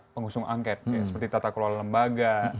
pengusung angket seperti tata kelola lembaga